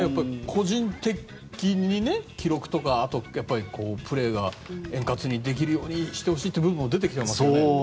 個人的に記録とかあとプレーが円滑にできるようにしてほしいという部分も出てきてますよね。